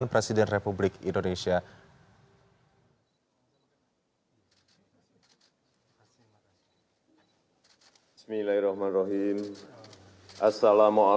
presiden republik indonesia